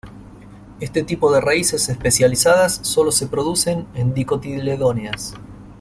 Este tipo de raíces especializadas sólo se producen en dicotiledóneas.